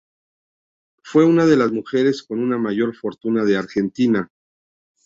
Fue una de las mujeres con una mayor fortuna de Argentina.